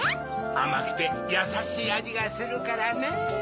あまくてやさしいあじがするからねぇ。